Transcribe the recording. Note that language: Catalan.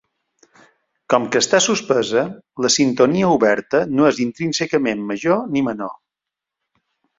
Com que està suspesa, la sintonia oberta no és intrínsecament major ni menor.